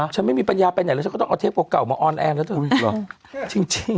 ฉันไม่มีปัญญาไปอะไรแล้วต้องเอาเทปเก่ามาออนแอร์น่ะเจ้อ